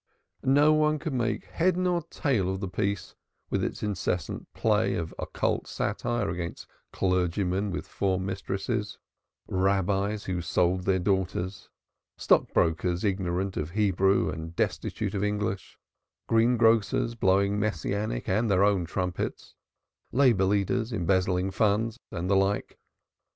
No one could make head or tail of the piece with its incessant play of occult satire against clergymen with four mistresses, Rabbis who sold their daughters, stockbrokers ignorant of Hebrew and destitute of English, greengrocers blowing Messianic and their own trumpets, labor leaders embezzling funds, and the like.